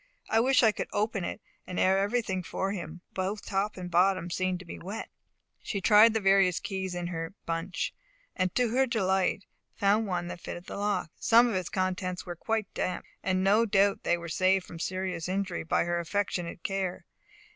I wish I could open it, and air everything for him; both top and bottom seem to be wet." She tried the various keys in her bunch, and to her delight found one that fitted the lock. Some of its contents were quite damp, and no doubt they were saved from serious injury by her affectionate care.